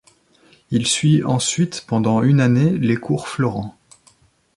Il suit ensuite pendant une année les Cours Florent.